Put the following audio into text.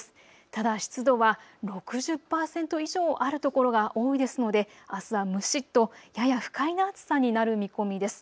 ただ湿度は６０％以上あるところが多いですのであすは蒸しっとやや不快な暑さになる見込みです。